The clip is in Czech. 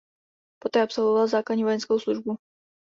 Poté absolvoval základní vojenskou službu.